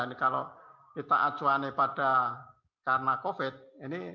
ini kalau kita acuannya pada karena covid ini